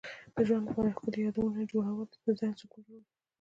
د ژوند لپاره ښکلي یادونه جوړول د ذهن سکون راوړي.